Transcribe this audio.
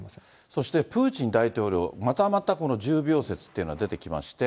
そしてプーチン大統領、またまた重病説というのが出てきまして。